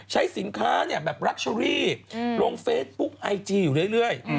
ใช้สินค้าแบบรักเชอรี่ลงเฟซบุ๊กไอจีอยู่เรื่อย